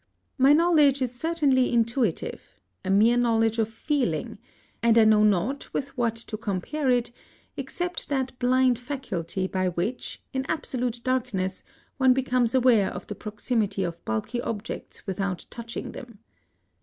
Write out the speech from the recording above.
My knowledge is certainly intuitive a mere knowledge of feeling; and I know not with what to compare it except that blind faculty by which, in absolute darkness, one becomes aware of the proximity of bulky objects without touching them.